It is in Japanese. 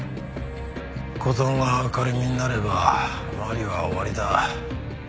事が明るみになれば麻里は終わりだ。